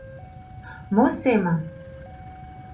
Мо семын?!